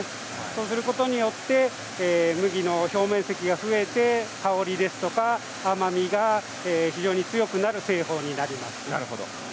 そうすることによって麦の表面積が増えて香りや甘みが非常に強くなる製法になります。